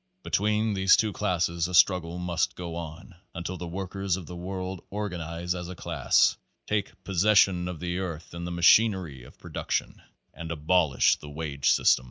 Between these two classes a struggle must go on until the workers of the world organize as a class, take possession of th earth and the machinery of production, and abolish the wage system.